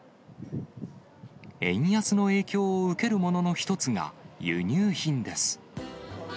円安の影響を受けるものの一つが、輸入品です。